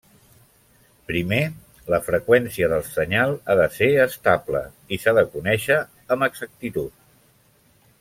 Primer, la freqüència del senyal ha de ser estable i s'ha de conèixer amb exactitud.